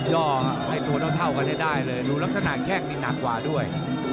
ย่อให้ตัวเท่ากันให้ได้เลย